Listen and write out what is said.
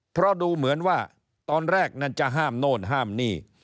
เพราะดูเหมือนว่าตอนแรกนั้นจะห้ามโน่นห้ามนี่